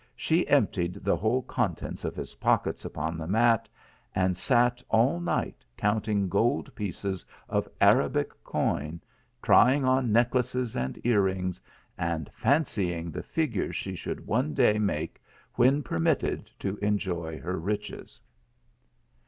She emptied the whole contents of his pockets upon the mat, and sat all night counting gold pieces of Arabic coin, trying on necklaces and ear rings, and fancying the figure she should one day make when permitted to enjoy her riches.